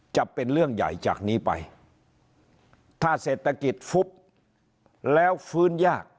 จะเป็นเรื่องใหญ่จากนี้ไปถ้าเศรษฐกิจฟุบแล้วฟื้นยาก